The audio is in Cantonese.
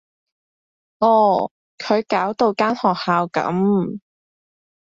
哦，佢搞到間學校噉